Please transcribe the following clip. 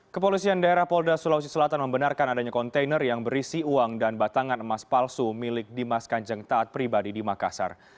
kepolisian daerah polda sulawesi selatan membenarkan adanya kontainer yang berisi uang dan batangan emas palsu milik dimas kanjeng taat pribadi di makassar